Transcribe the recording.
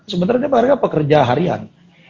sebenarnya mereka pekerja harian